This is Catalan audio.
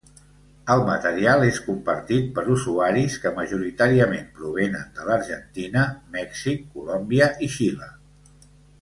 El material és compartit per usuaris que majoritàriament provenen de l'Argentina, Mèxic, Colòmbia i Xile.